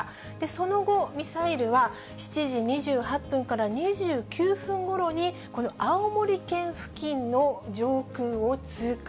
その後、ミサイルは７時２８分から２９分ごろに、この青森県付近の上空を通過。